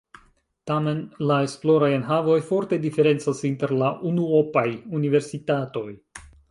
Tamen la esploraj enhavoj forte diferencas inter la unuopaj universitatoj.